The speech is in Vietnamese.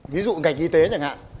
ví dụ ngạch y tế chẳng hạn